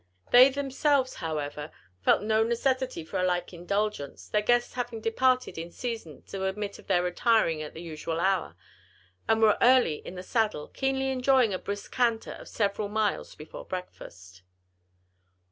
They themselves, however, felt no necessity for a like indulgence, their guests having departed in season to admit of their retiring at the usual hour, and were early in the saddle, keenly enjoying a brisk canter of several miles before breakfast.